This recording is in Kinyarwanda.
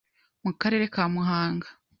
mu karere ka Muhanga,